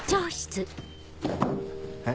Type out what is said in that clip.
えっ？